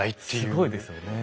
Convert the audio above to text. すごいですよね。